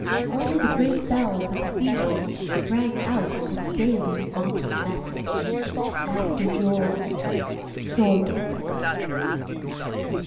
Only the great bell of the Cathedral rang out daily its mocking message, ŌĆ£After joy ... sorrow.